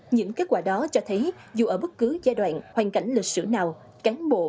những kết quả đó cho thấy dù ở bất cứ giai đoạn hoàn cảnh lịch sử nào cán bộ